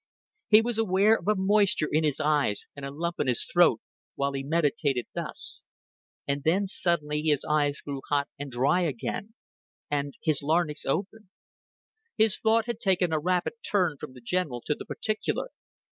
He was aware of a moisture in his eyes and a lump in his throat while he meditated thus; and then suddenly his eyes grew hot and dry again, and his larynx opened. His thought had taken a rapid turn from the general to the particular.